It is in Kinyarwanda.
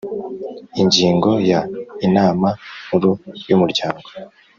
Ingingo ya Inama Nkuru y Umuryango